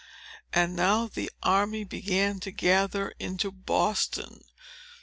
And now the army began to gather into Boston.